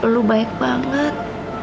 lo baik banget